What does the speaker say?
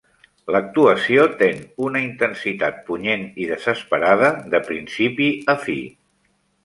L'actuació ten una intensitat punyent i desesperada de principi a fi.